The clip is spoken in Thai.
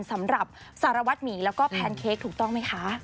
สำหรับสารวัตรหมีแล้วก็แพนเค้กถูกต้องไหมคะ